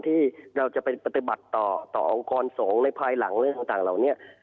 ที่เราจะไปปฏิบัติต่อองค์กรสงฆ์ในภายหลังเรื่องต่างเหล่านี้